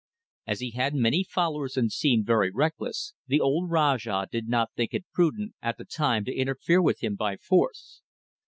As he had many followers and seemed very reckless, the old Rajah did not think it prudent at the time to interfere with him by force.